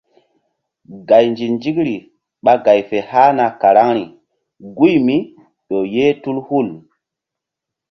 Gay nzi-nzikri ɓa gay fe hahna karaŋri guy mí ƴo ye tul hul.